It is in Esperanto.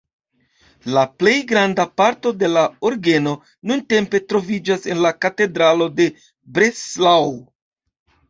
La plej granda parto de la orgeno nuntempe troviĝas en la katedralo de Breslau.